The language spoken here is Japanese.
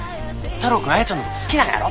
太郎くん彩ちゃんの事好きなんやろ？